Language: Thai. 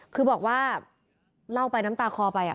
คือบอกว่าเล่าไปน้ำตาคอไป